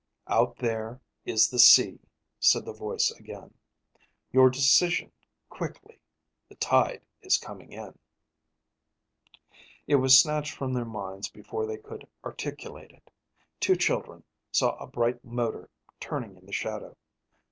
"Out there is the sea," said the voice again. "Your decision quickly. The tide is coming in...." It was snatched from their minds before they could articulate it. Two children saw a bright motor turning in the shadow.